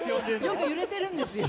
よく揺れてるんですよ。